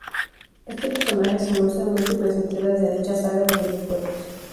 Este personaje se muestra en múltiples entregas de dicha saga de videojuegos.